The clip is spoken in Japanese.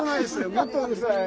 もっとうるさい。